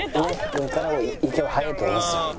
上からもいけば早いと思いますよ。